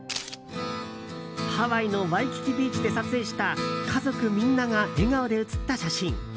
ハワイのワイキキビーチで撮影した家族みんなが笑顔で写った写真。